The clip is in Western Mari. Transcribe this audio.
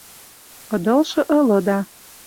Ыдылшы ылыда